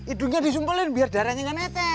idungnya disumpulin biar darahnya gak netek